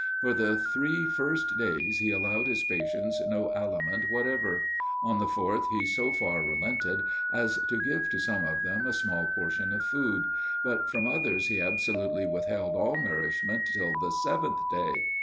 For the three first days he allowed his patients no aliment whatever; on the fourth, he so far relented as to give to some of them a small portion of food; but from others he absolutely withheld all nourishment till the seventh day.